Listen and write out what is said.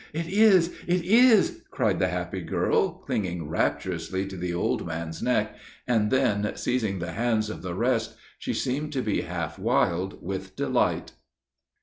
"It is! it is!" cried the happy girl, clinging rapturously to the old man's neck, and then, seizing the hands of the rest, she seemed to be half wild with delight.